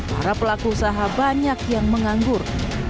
para pelaku usaha banyak yang menganggur